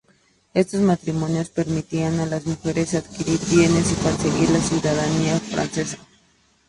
Estos matrimonios permitían a las mujeres adquirir bienes y conseguir la ciudadanía francesa.